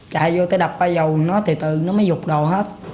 chạy vô tới đập ba lô nó thì tự nó mới rụt đầu hết